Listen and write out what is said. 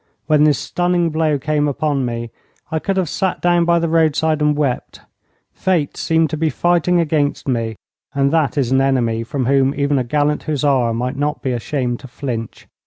When this stunning blow came upon me I could have sat down by the roadside and wept. Fate seemed to be fighting against me, and that is an enemy from whom even a gallant hussar might not be ashamed to flinch.